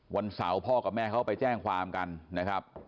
วันเสาร์พ่อกับแม่เขาไปแจ้งความกันนะครับ